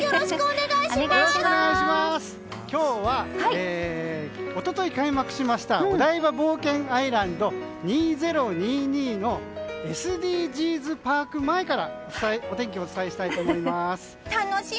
今日は一昨日開幕しましたお台場冒険アイランド２０２２のＳＤＧｓパーク前からお天気をお伝えしたいと思います。